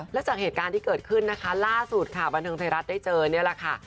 และจากเหตุการณ์ที่เกิดขึ้นนะคะล่าสุดค่ะบันเทิงไทยรัฐได้เจอนี่แหละค่ะ